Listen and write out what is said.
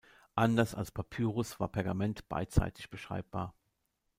Anders als Papyrus war Pergament beidseitig beschreibbar.